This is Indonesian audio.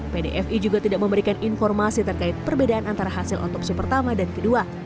pdfi juga tidak memberikan informasi terkait perbedaan antara hasil otopsi pertama dan kedua